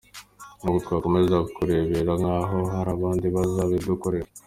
Ntabwo twakomeza kurebera nk’aho hari abandi bazabidukorera.